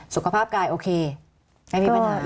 สุขภาพกายโอเคไม่มีปัญหา